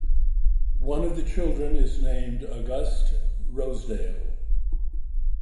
One of the children is named August Rosedale.